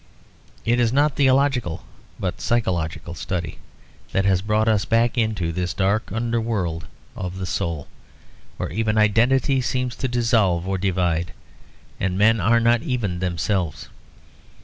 It is not theological but psychological study that has brought us back into this dark underworld of the soul, where even identity seems to dissolve or divide, and men are not even themselves.